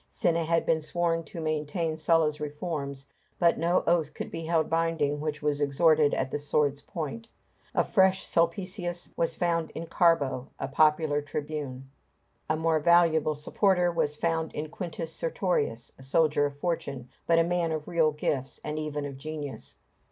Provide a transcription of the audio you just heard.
Cinna had been sworn to maintain Sulla's reforms, but no oath could be held binding which was extorted at the sword's point. A fresh Sulpicius was found in Carbo, a popular tribune. A more valuable supporter was found in Quintus Sertorius, a soldier of fortune, but a man of real gifts, and even of genius.